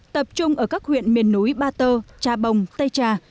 tập trung ở các huyện miền núi ba tơ trà bồng tây trà